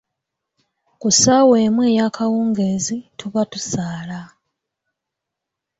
Ku ssaawa emu ey’akawungeezi tuba tusaala.